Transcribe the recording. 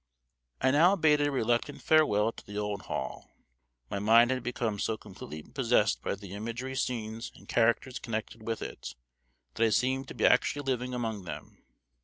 '" I now bade a reluctant farewell to the old hall. My mind had become so completely possessed by the imaginary scenes and characters connected with it that I seemed to be actually living among them.